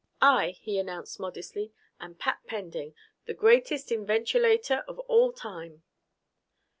"I," he announced modestly, "am Pat Pending the greatest inventulator of all time."